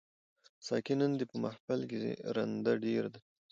ساقي نن دي په محفل کي رندان ډیر دي